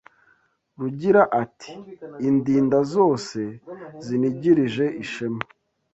Rugira ati Indinda zose zinigirije ishema